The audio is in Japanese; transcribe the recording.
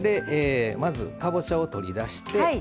まずかぼちゃを取り出して。